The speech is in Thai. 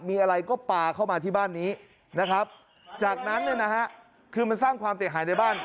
มีอะไรก็ป่าเข้ามาที่บ้านนี้จากนั้นคือมันสร้างความเสี่ยงหายในบ้าน